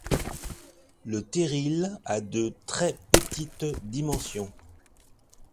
Le terril a de très petites dimensions.